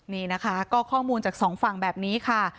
นี่นะคะก็ข้อมูลจากสองฝั่งแบบนี้ค่ะ